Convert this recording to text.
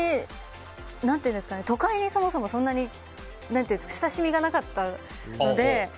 都会にそもそもそんなに親しみがなかったので。